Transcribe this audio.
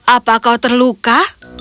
apa kau terluka